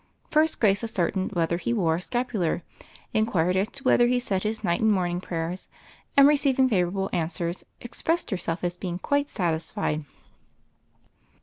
First, Grace ascertained whether he wore a scapular, inquired as to whether he said his night and morning prayers, and receiving favor able answers expressed herself as being quite satisfied.